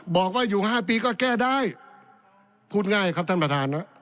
บอกว่าอยู่๕ปีก็แก้ได้พูดง่ายครับท่านประธาน